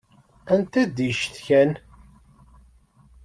Anta i d-yecetkan?